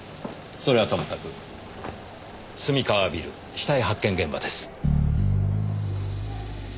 それはともかく墨川ビル死体発見現場です。